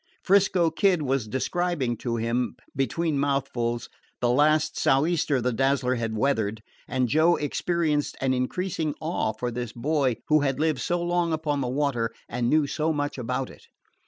'Frisco Kid was describing to him, between mouthfuls, the last sou'easter the Dazzler had weathered, and Joe experienced an increasing awe for this boy who had lived so long upon the water and knew so much about it.